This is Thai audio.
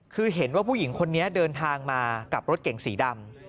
คือเห็นว่าผู้หญิงคนนี้เดินทางมากับรถเก่งสีดำ